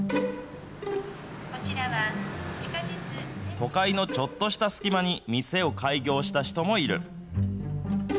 都会のちょっとした隙間に店を開業した人もいる。